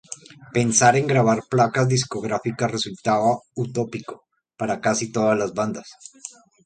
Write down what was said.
Pensar en grabar placas discográficas resultaba utópico para casi todas las bandas.